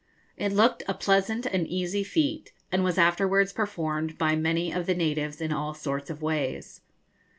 It looked a pleasant and easy feat, and was afterwards performed by many of the natives in all sorts of ways.